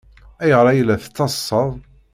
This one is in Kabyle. Ayɣer ay la tettaḍsaḍ?